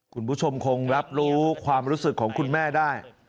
คุณผู้ชมคงรับรู้ความรู้สึกของคุณแม่ได้